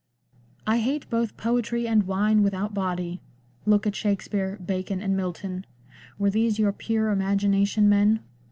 " I hate both poetry and wine without body. Look at Shakspere, Bacon, and Milton ; were these your pure imagin ation men